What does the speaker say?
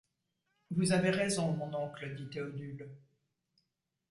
Vous avez raison, mon oncle, dit Théodule.